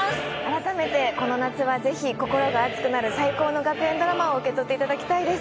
改めてこの夏、心が熱くなる最高の学園ドラマを受け取っていただきたいと思います。